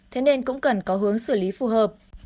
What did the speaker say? thế nên cũng cần có hướng xử lý phù hợp